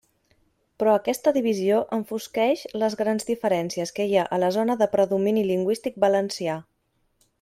Però aquesta divisió enfosqueix les grans diferències que hi ha a la zona de predomini lingüístic valencià.